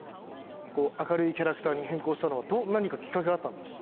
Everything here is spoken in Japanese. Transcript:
明るいキャラクターに変更したのは何かきっかけがあったんですか？